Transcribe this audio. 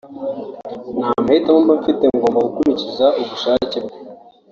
nta mahitamo mba mfite ngomba gukurikiza ubushake bwe”